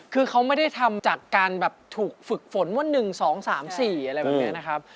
คือเขาไม่ได้ทำจากการแบบถูกฝึกฝนว่า๑๒๓๔อะไรแบบนี้นะครับ